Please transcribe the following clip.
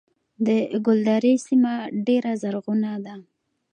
د ګلدرې سیمه ډیره زرغونه ده